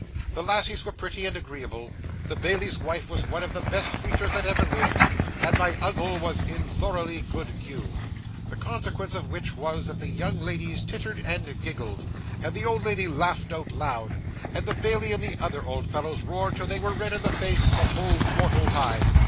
The lassies were pretty and agreeable; the bailie's wife was one of the best creatures that ever lived; and my uncle was in thoroughly good cue. The consequence of which was, that the young ladies tittered and giggled, and the old lady laughed out loud, and the bailie and the other old fellows roared till they were red in the face, the whole mortal time.